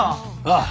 ああ。